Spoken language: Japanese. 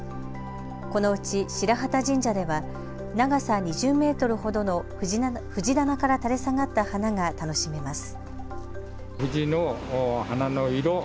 このうち、白旗神社では長さ２０メートルほどの藤棚から垂れ下がった花が楽しめます。